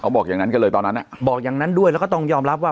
บอกอย่างนั้นกันเลยตอนนั้นอ่ะบอกอย่างนั้นด้วยแล้วก็ต้องยอมรับว่า